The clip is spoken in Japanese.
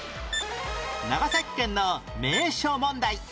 長崎県の名所問題